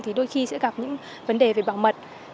thì đôi khi sẽ gặp những vấn đề về bảo mật